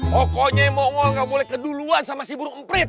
pokoknya mongol gak boleh keduluan sama si burung emprit